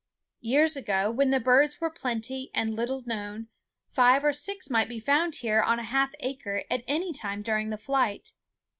Years ago, when the birds were plenty and little known, five or six might be found here on a half acre at any time during the flight.